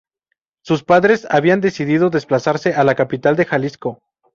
Sus padres habían decidido desplazarse a la capital de Jalisco.